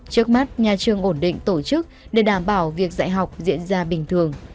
trước mắt nhà trường ổn định tổ chức để đảm bảo việc dạy học diễn ra bình thường